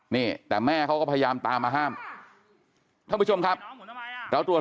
นี่แต่แม่เขาก็พยายามตามมาห้ามท่านผู้ชมครับเราตรวจ